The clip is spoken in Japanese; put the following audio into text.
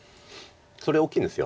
それ大きいんです。